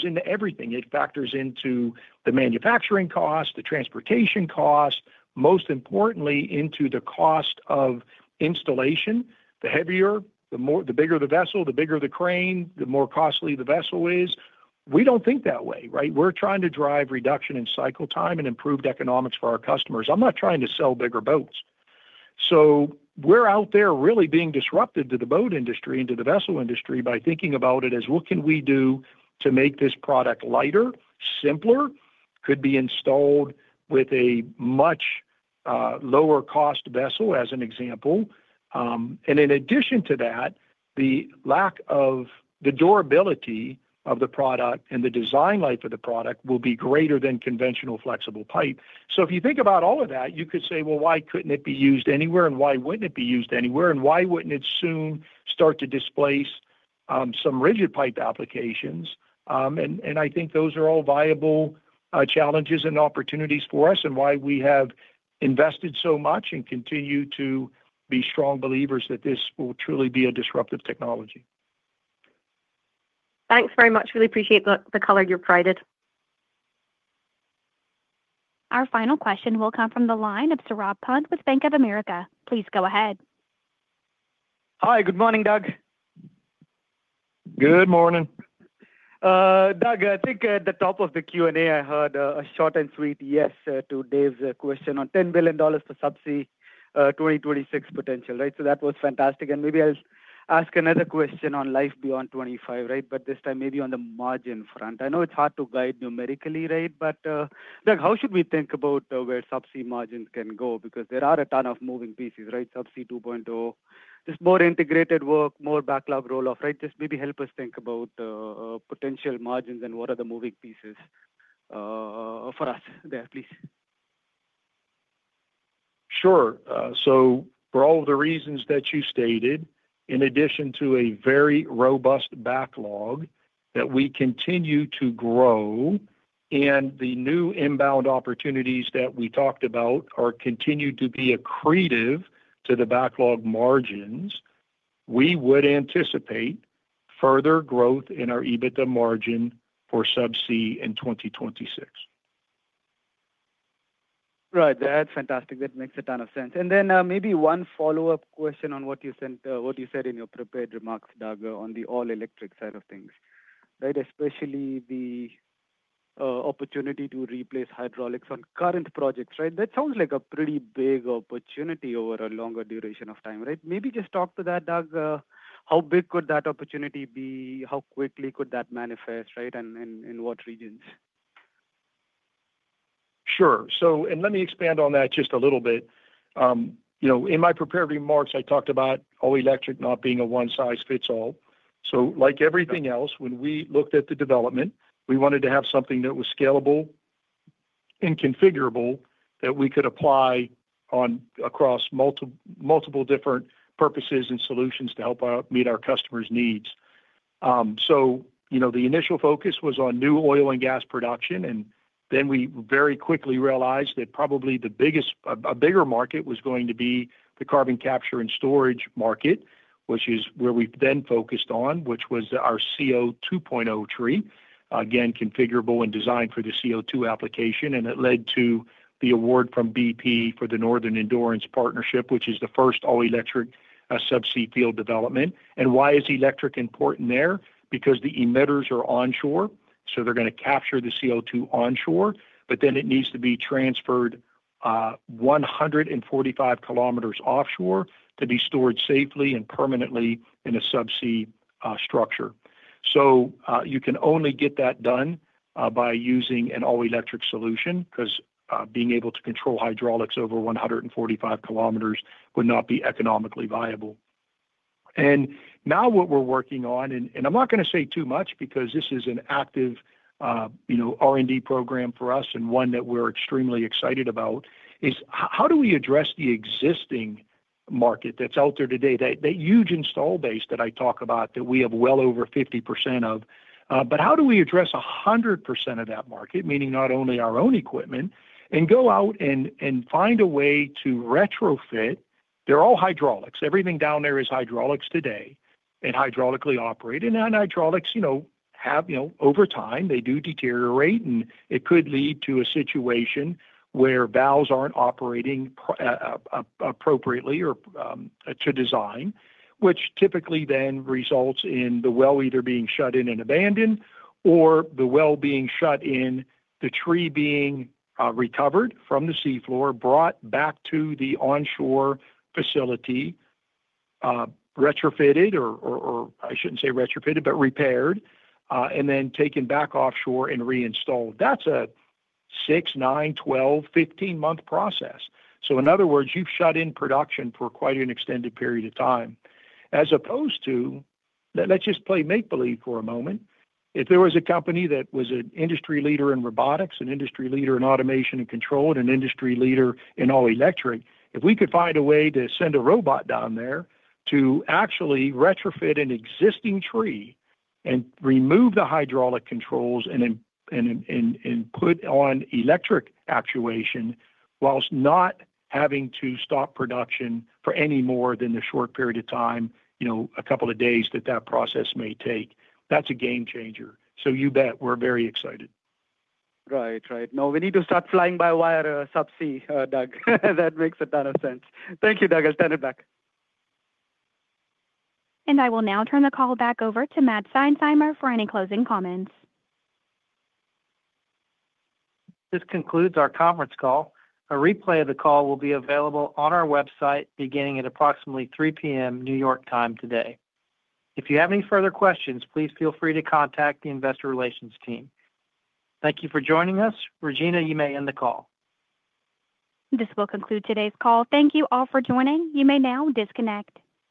into everything. It factors into the manufacturing cost, the transportation cost, most importantly, into the cost of installation. The heavier, the bigger the vessel, the bigger the crane, the more costly the vessel is. We don't think that way, right? We're trying to drive reduction in cycle time and improved economics for our customers. I'm not trying to sell bigger boats. We're out there really being disruptive to the boat industry and to the vessel industry by thinking about it as, "What can we do to make this product lighter, simpler?" Could be installed with a much lower-cost vessel, as an example. In addition to that, the durability of the product and the design life of the product will be greater than conventional flexible pipe. If you think about all of that, you could say, "Why couldn't it be used anywhere? And why wouldn't it be used anywhere? And why wouldn't it soon start to displace some rigid pipe applications?" I think those are all viable challenges and opportunities for us and why we have invested so much and continue to be strong believers that this will truly be a disruptive technology. Thanks very much. Really appreciate the color you provided. Our final question will come from the line of S with Bank of America. Please go ahead. Hi. Good morning, Doug. Good morning. Doug, I think at the top of the Q&A, I heard a short and sweet yes to Dave's question on $10 billion for Subsea 2026 potential, right? That was fantastic. Maybe I'll ask another question on life beyond 2025, right? This time, maybe on the margin front. I know it's hard to guide numerically, right? Doug, how should we think about where Subsea margins can go? There are a ton of moving pieces, right? Subsea 2.0, just more integrated work, more backlog rolloff, right? Maybe help us think about potential margins and what are the moving pieces for us there, please. Sure. For all of the reasons that you stated, in addition to a very robust backlog that we continue to grow. The new inbound opportunities that we talked about continue to be accretive to the backlog margins. We would anticipate further growth in our EBITDA margin for Subsea in 2026. Right. That is fantastic. That makes a ton of sense. Maybe one follow-up question on what you said in your prepared remarks, Doug, on the all-electric side of things, right? Especially the opportunity to replace hydraulics on current projects, right? That sounds like a pretty big opportunity over a longer duration of time, right? Maybe just talk to that, Doug. How big could that opportunity be? How quickly could that manifest, right? And in what regions? Sure. Let me expand on that just a little bit. In my prepared remarks, I talked about all-electric not being a one-size-fits-all. Like everything else, when we looked at the development, we wanted to have something that was scalable and configurable that we could apply across multiple different purposes and solutions to help meet our customers' needs. The initial focus was on new oil and gas production, and then we very quickly realized that probably the bigger market was going to be the carbon capture and storage market, which is where we then focused on, which was our CO2.0 tree, again, configurable and designed for the CO2 application. It led to the award from BP for the Northern Endurance Partnership, which is the first all-electric subsea field development. Why is electric important there? The emitters are onshore, so they are going to capture the CO2 onshore, but then it needs to be transferred 145 km offshore to be stored safely and permanently in a subsea structure. You can only get that done by using an all-electric solution because being able to control hydraulics over 145 km would not be economically viable. Now what we are working on, and I am not going to say too much because this is an active R&D program for us and one that we are extremely excited about, is how do we address the existing market that is out there today, that huge install base that I talk about that we have well over 50% of? How do we address 100% of that market, meaning not only our own equipment, and go out and find a way to retrofit? They are all hydraulics. Everything down there is hydraulics today and hydraulically operated. Hydraulics have, over time, they do deteriorate, and it could lead to a situation where valves are not operating appropriately or to design, which typically then results in the well either being shut in and abandoned or the well being shut in, the tree being recovered from the seafloor, brought back to the onshore facility, retrofitted, or I should not say retrofitted, but repaired, and then taken back offshore and reinstalled. That is a 6, 9, 12, 15 month process. In other words, you have shut in production for quite an extended period of time. As opposed to, let us just play make-believe for a moment. If there was a company that was an industry leader in robotics, an industry leader in automation and control, and an industry leader in all-electric, if we could find a way to send a robot down there to actually retrofit an existing tree and remove the hydraulic controls and put on electric actuation whilst not having to stop production for any more than the short period of time, a couple of days that that process may take, that's a game changer. You bet. We're very excited. Right, right. No, we need to start flying by wire subsea, Doug. That makes a ton of sense. Thank you, Doug. I'll turn it back. I will now turn the call back over to Matt Seinsheimer for any closing comments. This concludes our conference call. A replay of the call will be available on our website beginning at approximately 3:00 P.M. New York time today. If you have any further questions, please feel free to contact the investor relations team. Thank you for joining us. Regina, you may end the call. This will conclude today's call. Thank you all for joining. You may now disconnect.